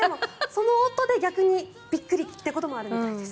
その音で逆にびっくりってこともあるみたいです。